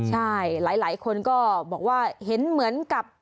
ใช่หลายคนก็บอกว่าเห็นเหมือนกับ